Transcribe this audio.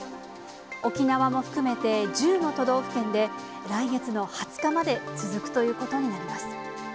沖縄も含めて１０の都道府県で、来月の２０日まで続くということになります。